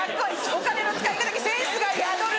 「お金の使い方にセンスが宿る」。